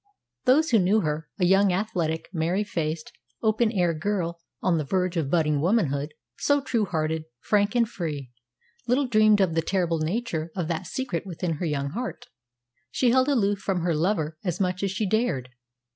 Those who knew her a young, athletic, merry faced, open air girl on the verge of budding womanhood, so true hearted, frank, and free little dreamed of the terrible nature of that secret within her young heart. She held aloof from her lover as much as she dared.